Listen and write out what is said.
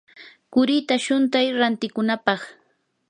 qurita shuntay rantikunapaq.